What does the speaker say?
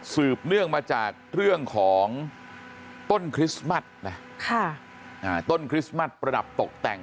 เนื่องมาจากเรื่องของต้นคริสต์มัสนะต้นคริสต์มัสประดับตกแต่ง